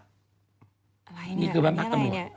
อะไรนี่อันนี้อะไรนี่อันนี้คือบ้านพักตำรวจ